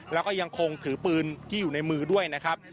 แล้วก็ยังคงถือปืนที่อยู่ในมือด้วยนะครับ